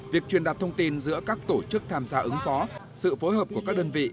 việc truyền đặt thông tin giữa các tổ chức tham gia ứng phó sự phối hợp của các đơn vị